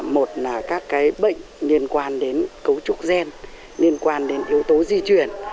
một là các cái bệnh liên quan đến cấu trúc gen liên quan đến yếu tố di truyền